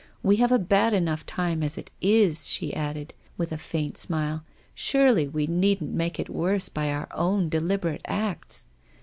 We have a bad enough time as it is," she added" with* a faint smile ; a surely we needn't make it worse by our own deliberate acts